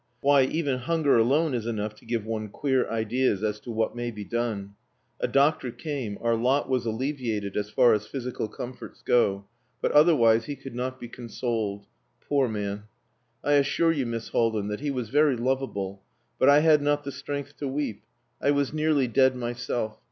Why, even hunger alone is enough to give one queer ideas as to what may be done. A doctor came, our lot was alleviated as far as physical comforts go, but otherwise he could not be consoled poor man. I assure you, Miss Haldin, that he was very lovable, but I had not the strength to weep. I was nearly dead myself.